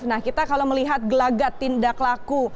nah kita kalau melihat gelagat tindak laku